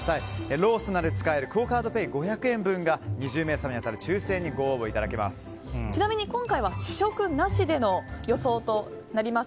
ローソンなどで使えるクオ・カードペイ５００円分が２０名様に当たる抽選にご応募いただけます。